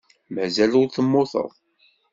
Mazal ur temmuteḍ.